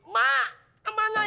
mak kemana yayang itu